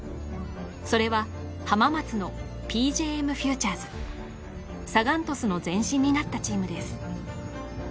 それは浜松のＰＪＭフューチャーズサガン鳥栖の前身になったチームです